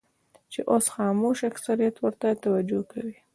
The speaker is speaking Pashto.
چې اوس خاموش اکثریت ورته توجه کوي.